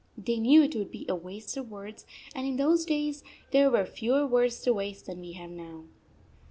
They knew it would be a waste of words ; and in those days there were fewer words to waste than we have now.